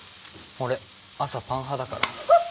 俺朝パン派だからあっ！